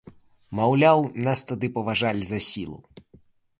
Маўляў, нас тады паважалі за сілу.